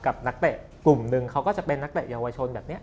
นักเตะกลุ่มหนึ่งเขาก็จะเป็นนักเตะเยาวชนแบบนี้